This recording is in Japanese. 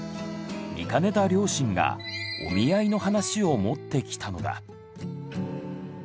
見かねた両親がお見合いの話を持ってきたのだ。